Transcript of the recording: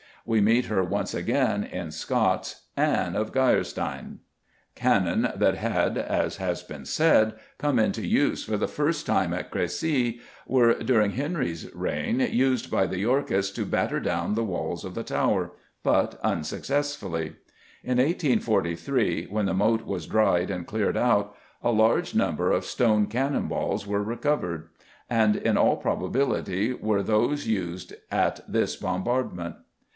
We meet her once again in Scott's Anne of Geierstein. Cannon, that had, as has been said, come into use for the first time at Crecy, were during Henry's reign used by the Yorkists to "batter down" the walls of the Tower, but unsuccessfully. In 1843, when the moat was dried and cleared out, a large number of stone cannon balls were discovered, and in all probability were those used at this bombardment.